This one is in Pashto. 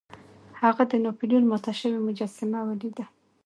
هغه د ناپلیون ماته شوې مجسمه ولیده.